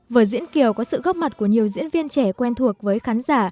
vở diễn kiều có sự góp mặt của nhiều diễn viên trẻ quen thuộc với khán giả